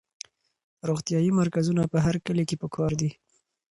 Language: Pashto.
روغتیایي مرکزونه په هر کلي کې پکار دي.